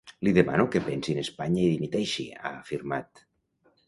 Li demano que pensi en Espanya i dimiteixi, ha afirmat.